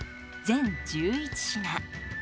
全１１品。